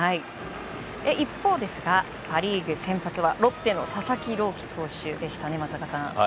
一方、パ・リーグ先発はロッテの佐々木朗希投手でした松坂さん。